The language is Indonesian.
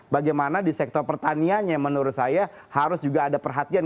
bagaimana di sektor pertanian yang menurut saya harus juga ada perhatian